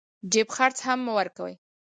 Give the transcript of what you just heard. جيب خرڅ هم ورکوي.